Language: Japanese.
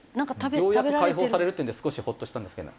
ようやく開放されるというので少しホッとしたんですけどね。